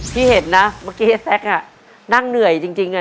ที่เห็นนะเมื่อกี้แซ็กอ่ะนั่งเหนื่อยจริงอ่ะ